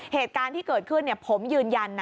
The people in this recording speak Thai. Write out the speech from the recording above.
เหตุการณ์ที่เกิดขึ้นผมยืนยันนะ